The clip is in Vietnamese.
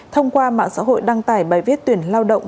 thông qua mạng xã hội đăng tải bài viết tuyển lao động